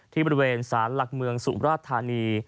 บริเวณสารหลักเมืองสุมราชธานี